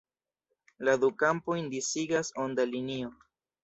La du kampojn disigas onda linio.